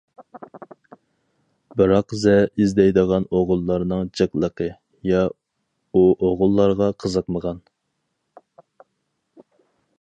بىراقزە ئىزدەيدىغان ئوغۇللارنىڭ جىقلىقى، يا ئۇ ئوغۇللارغا قىزىقمىغان.